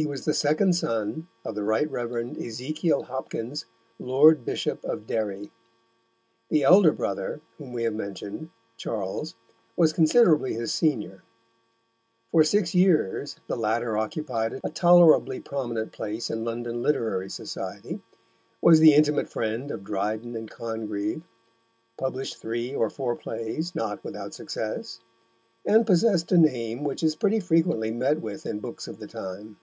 He was the second son of the Right Rev. Ezekiel Hopkins, Lord Bishop of Derry. The elder brother whom we have mentioned, Charles, was considerably his senior; for six years the latter occupied a tolerably prominent place in London literary society, was the intimate friend of Dryden and Congreve, published three or four plays not without success, and possessed a name which is pretty frequently met with in books of the time.